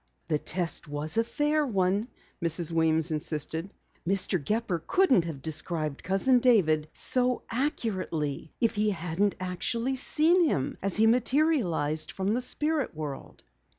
"The test was a fair one," Mrs. Weems insisted. "Mr. Gepper couldn't have described Cousin David so accurately if he hadn't actually seen him as he materialized from the spirit world."